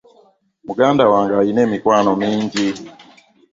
Muganda wange alina emikwano mingi.